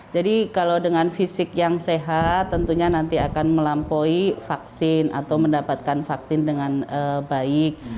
jadi kalau dengan fisik yang sehat tentunya nanti akan melampaui vaksin atau mendapatkan vaksin dengan baik